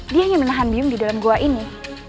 dia yang menahan biyung di dalam gua ini